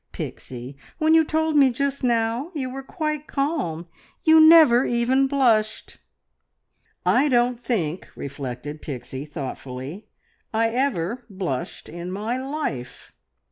Pixie, when you told me just now, you were quite calm, you never even blushed!" "I don't think," reflected Pixie thoughtfully, "I ever blushed in my life."